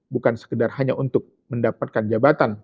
bukan sekedar hanya untuk mendapatkan jabatan